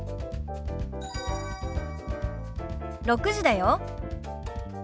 ６時だよ。